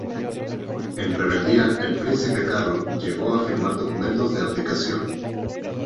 En rebeldía el príncipe Carol llegó a firmar documentos de abdicación.